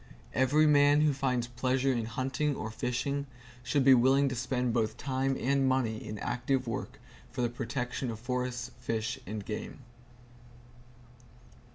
Every man who finds pleasure in hunting or fishing should be willing to spend both time and money in active work for the protection of forests, fish and game.